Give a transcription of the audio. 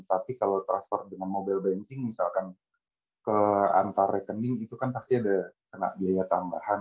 tapi kalau transfer dengan mobile banking misalkan ke antar rekening itu kan pasti ada kena biaya tambahan